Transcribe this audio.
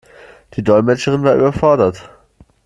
Die Dolmetscherin war überfordert.